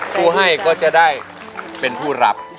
ผู้ให้ก็จะได้เป็นผู้รับ